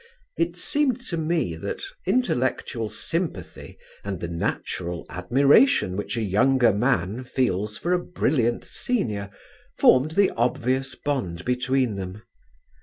It seemed to me that intellectual sympathy and the natural admiration which a younger man feels for a brilliant senior formed the obvious bond between them.